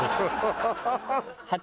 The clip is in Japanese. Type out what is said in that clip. ハハハハ！